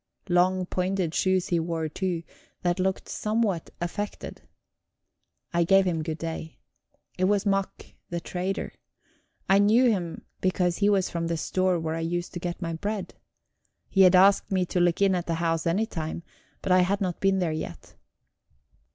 Long, pointed shoes he wore, too, that looked somewhat affected. I gave him good day. It was Mack, the trader; I knew him because he was from the store where I used to get my bread. He had asked me to look in at the house any time, but I had not been there yet.